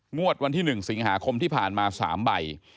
งวดวันที่๑สิงหาคมที่ผ่านมา๓ใบ